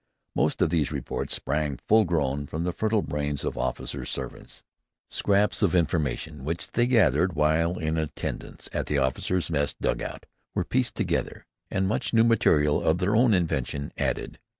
Most of these reports sprang, full grown, from the fertile brains of officers' servants. Scraps of information which they gathered while in attendance at the officers' mess dugout were pieced together, and much new material of their own invention added.